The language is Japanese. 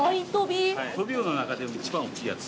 トビウオの中でも一番大きいやつ。